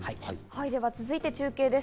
続いては中継です。